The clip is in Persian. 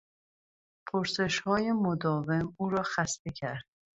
پرسشهای مداوم او را خسته کرد.